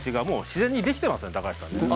自然にできてますね高橋さん。